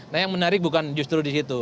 nah yang menarik bukan justru disitu